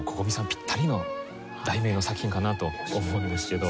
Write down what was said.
ぴったりの題名の作品かなと思うんですけど。